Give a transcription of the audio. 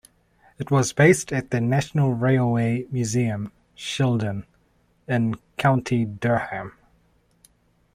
It was based at National Railway Museum Shildon in County Durham.